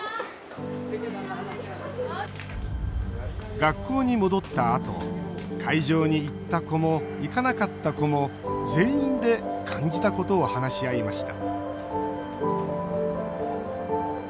学校に戻ったあと会場に行った子も行かなかった子も全員で感じたことを話し合いました